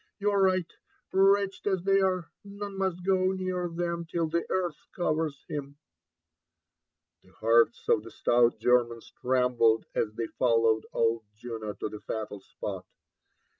— You are right;— wretched aa they are, none must go near them till the earth covers him." The hearts of the stout Germans trembled as they followed old Juno to the fatal spot.